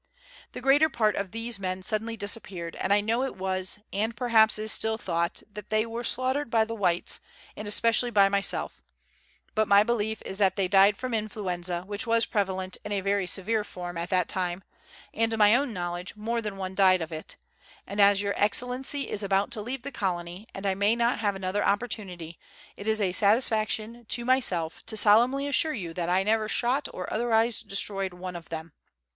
The greater part of these men suddenly disappeared, and I know it was, and perhaps is still thought that they were slaughtered by the whites, and especially by myself; but my belief is that they died from influenza, which was prevalent, in a very severe form, at that time, and, to my own knowledge, more than one died of it; and as Your Excellency is about to leave the colony, and I may not have another opportunity, it is a satisfaction to myself to solemnly assure you that I never shot or otherwise destroyed one of them.